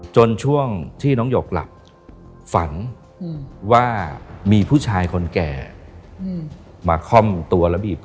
ช่วงที่น้องหยกหลับฝันว่ามีผู้ชายคนแก่มาค่อมตัวแล้วบีบคอ